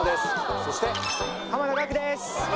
そして濱田岳です！